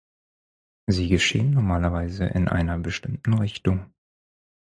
Sie geschehen normalerweise in einer bestimmten Richtung.